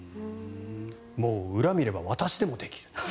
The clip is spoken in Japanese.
もう裏を見れば私でもできる。